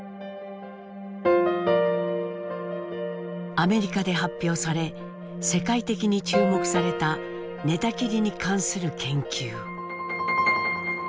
アメリカで発表され世界的に注目された寝たきりに関する研究。